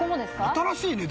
新しいね。